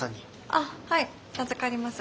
あはい預かります。